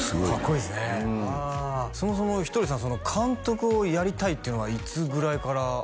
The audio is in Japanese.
いいっすねうんそもそもひとりさん監督をやりたいっていうのはいつぐらいから？